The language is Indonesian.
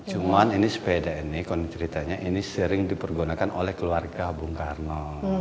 cuman ini sepeda ini kalau ceritanya ini sering dipergunakan oleh keluarga bung karno